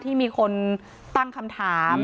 ที่มีคนตั้งคำถาม